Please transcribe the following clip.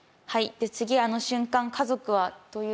で次「あの瞬間家族は」というところで。